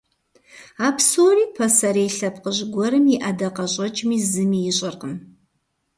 А псори пасэрей лъэпкъыжь гуэрым и ӀэдакъэщӀэкӀми зыми ищӀэркъым.